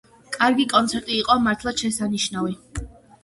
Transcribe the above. კარგი კონცერტი იყო, მართლაც შესანიშნავი.